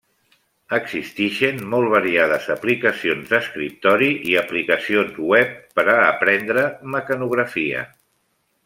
Existixen molt variades aplicacions d'escriptori i aplicacions web per a aprendre mecanografia.